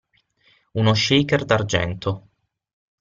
Uno shaker d'argento.